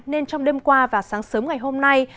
nên trong đêm qua và sáng sớm ngày hôm nay